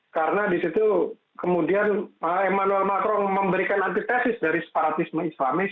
karena di situ kemudian emmanuel macron memberikan antitesis dari separatisme islamis